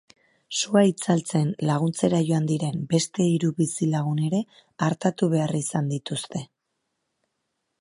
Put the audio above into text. Sua itzaltzen laguntzera joan diren beste hiru bizilagun ere artatu behar izan dituzte.